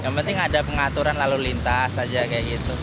yang penting ada pengaturan lalu lintas saja kayak gitu